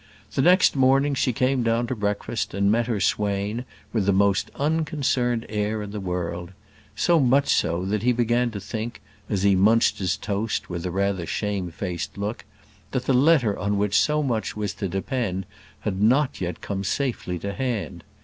The next morning she came down to breakfast and met her swain with the most unconcerned air in the world; so much so that he began to think, as he munched his toast with rather a shamefaced look, that the letter on which so much was to depend had not yet come safely to hand.